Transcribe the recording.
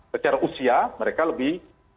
secara usia mereka lebih